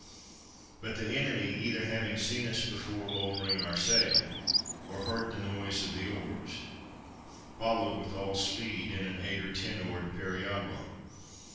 But the enemy either having seen us before lowering our sail, or heard the noise of the oars, followed with all speed, in an eight or ten oared periagua.